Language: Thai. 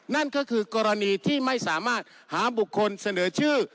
นั่นก็คือกรณีที่ไม่สามารถหาบุคคลเสนอชื่อ